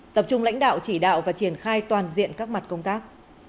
tập trung lãnh đạo chỉ đạo và triển khai toàn diện các mặt công tác